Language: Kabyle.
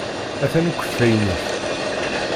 Atan ukeffay-nnek.